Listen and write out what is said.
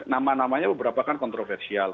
nama namanya beberapa kan kontroversial